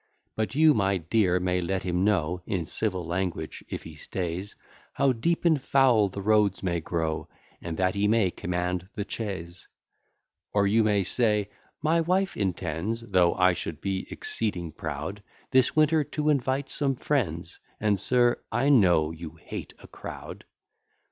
But you, my dear, may let him know, In civil language, if he stays, How deep and foul the roads may grow, And that he may command the chaise. Or you may say "My wife intends, Though I should be exceeding proud, This winter to invite some friends, And, sir, I know you hate a crowd."